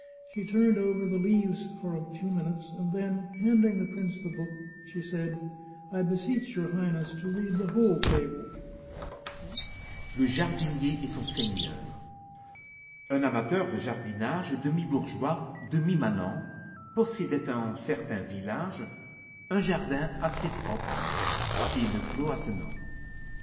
She turned over the leaves for a few minutes, and then, handing the prince the book, she said :" I beseech your Highness to read the whole fable." LE JARDINIER ET SON SEIGNEUR Un amateur de jardinage Demi bourgeois, demi manant, Possidait en certain village Un jardin assez propre, et le clos attenant.